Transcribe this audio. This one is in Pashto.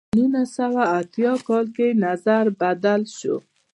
په نولس سوه اتیا کال کې نظر بدل شو.